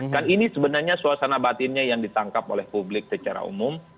kan ini sebenarnya suasana batinnya yang ditangkap oleh publik secara umum